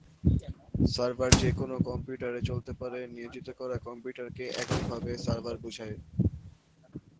Server যে কোন কম্পিউটারে চলতে পারে, নিয়োজিত করা কম্পিউটারকে একক ভাবে "সার্ভার" বুঝায়।